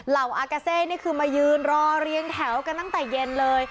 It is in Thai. อากาเซนี่คือมายืนรอเรียงแถวกันตั้งแต่เย็นเลย